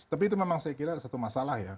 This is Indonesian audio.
tapi itu memang saya kira satu masalah ya